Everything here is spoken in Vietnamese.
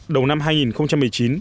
đầu năm hai nghìn một mươi chín